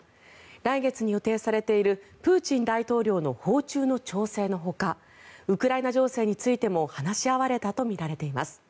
来月に予定されているプーチン大統領の訪中の調整のほかウクライナ情勢についても話し合われたとみられています。